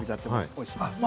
おいしいですね。